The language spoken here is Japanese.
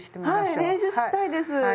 はい練習したいです。